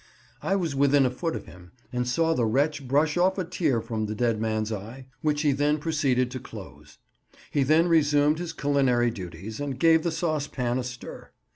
I was within a foot of him, and saw the wretch brush off a tear from the dead man's eye, which he then proceeded to close; he then resumed his culinary duties, and gave the saucepan a stir.